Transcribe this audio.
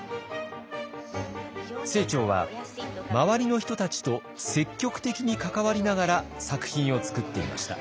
清張は周りの人たちと積極的に関わりながら作品を作っていました。